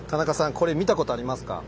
これ見たことありますか？